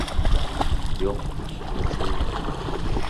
"Yo‘q, o‘xshamaydi.